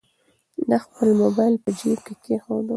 ده خپل موبایل په جیب کې کېښود.